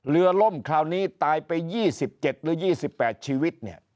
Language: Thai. ล่มคราวนี้ตายไป๒๗หรือ๒๘ชีวิต